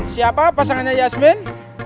siapa pasangannya yasmin